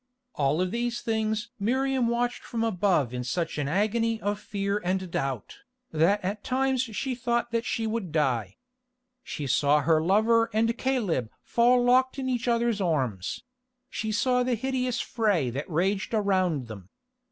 All of these things Miriam watched from above in such an agony of fear and doubt, that at times she thought that she would die. She saw her lover and Caleb fall locked in each other's arms; she saw the hideous fray that raged around them.